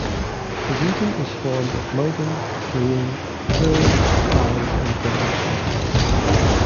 The region is formed of mountains, plains, hills, valleys and desert stretches.